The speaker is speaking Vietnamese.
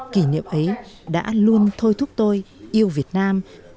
kỷ niệm ấy đã luôn thôi thúc tôi yêu việt nam